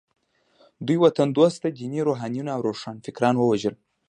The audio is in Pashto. دوی وطن دوسته ديني روحانيون او روښانفکران ووژل.